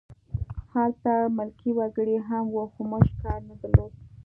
هلته ملکي وګړي هم وو خو موږ کار نه درلود